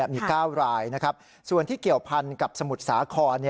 มี๙รายนะครับส่วนที่เกี่ยวพันกับสมุทรสาคร